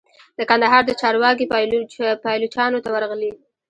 د کندهار د چارو واګي پایلوچانو ته ورغلې.